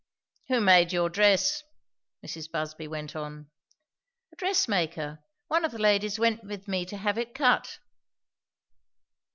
"Who made your dress?" Mrs. Busby went on. "A dress maker. One of the ladies went with me to have it cut."